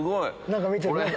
何か見てる。